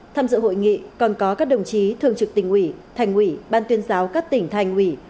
tham dự hội nghị còn có các đồng chí thường trực tỉnh ủy thành ủy ban tuyên giáo các tỉnh thành ủy